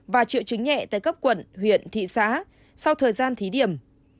và triệu chứng nhẹ tại các quận huyện thị xã sau thời gian thí điểm